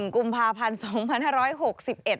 ๑กุมภาพันธ์๑๒๖๑